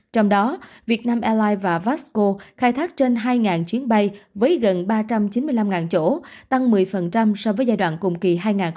trong đó việt nam airlines và vasco khai thác trên hai chuyến bay với gần ba trăm chín mươi năm chỗ tăng một mươi so với giai đoạn cùng kỳ hai nghìn một mươi chín